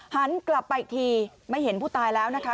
หันกลับไปอีกทีไม่เห็นผู้ตายแล้วนะคะ